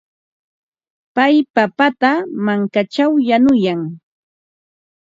Pay papata mankaćhaw yanuyan.